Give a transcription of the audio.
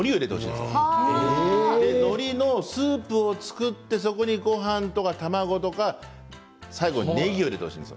まず、のりのスープを作ってそこに、ごはんとか卵とか最後にねぎを入れてほしいんです。